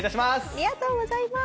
ありがとうございます。